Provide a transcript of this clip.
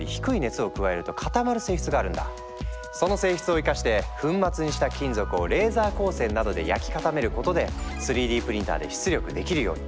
その性質を生かして粉末にした金属をレーザー光線などで焼き固めることで３Ｄプリンターで出力できるように。